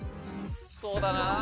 そうだな。